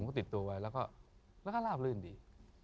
ก็ติดตัวไว้แล้วก็ลาบลื่นดี